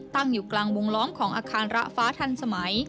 ตั้งอยู่กลางวงล้อมของอาคารระฟ้าทันสมัย